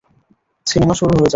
Cinema শুরু হয়ে যাবে।